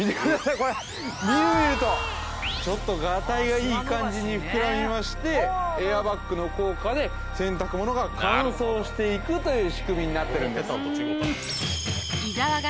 これみるみるとちょっとガタイがいい感じに膨らみましてエアバッグの効果で洗濯物が乾燥していくという仕組みになってるんですは